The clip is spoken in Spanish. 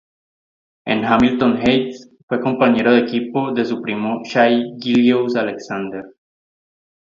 En Hamilton Heights, fue compañero de equipo de su primo Shai Gilgeous-Alexander.